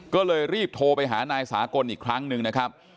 ก็เลยรีบโทรไปหานายสากลอีกครั้งหนึ่งนะครับ